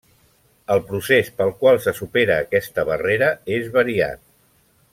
El procés pel qual se supera aquesta barrera és variat.